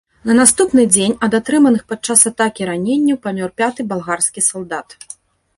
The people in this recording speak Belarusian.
На наступны дзень ад атрыманых падчас атакі раненняў памёр пяты балгарскі салдат.